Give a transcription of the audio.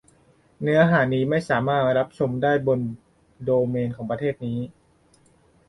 เนื้อหานี้ไม่สามารถรับชมได้บนโดเมนของประเทศนี้